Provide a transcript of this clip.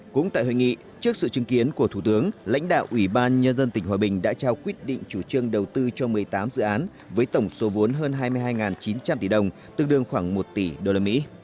cũng tại hội nghị trước sự chứng kiến của thủ tướng lãnh đạo ủy ban nhân dân tỉnh hòa bình đã trao quyết định chủ trương đầu tư cho một mươi tám dự án với tổng số vốn hơn hai mươi hai chín trăm linh tỷ đồng tương đương khoảng một tỷ usd